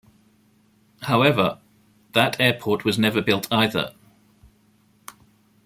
However, that airport was never built either.